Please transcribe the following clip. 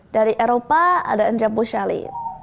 dari eropa ada andrea bochali